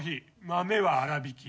豆は粗びき。